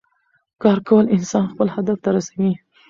کار کول انسان خپل هدف ته رسوي